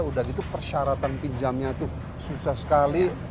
udah gitu persyaratan pinjamnya itu susah sekali